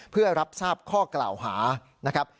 เพื่อรับทราบข้อกล่าวหานะครับ